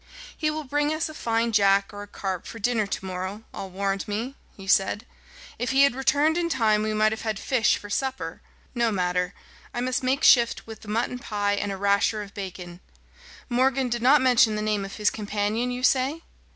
"He will bring us a fine jack or a carp for dinner to morrow, I'll warrant me," he said. "If he had returned in time we might have had fish for supper. No matter. I must make shift with the mutton pie and a rasher of bacon. Morgan did not mention the name of his companion, you say?"